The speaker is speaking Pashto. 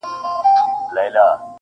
زما د ټوله ژوند تعبیر را سره خاندي,